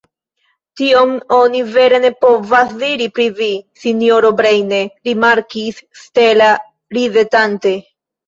Tion oni vere ne povas diri pri vi, sinjoro Breine, rimarkis Stella ridetante.